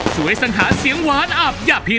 สังหารเสียงหวานอาบอย่าผิด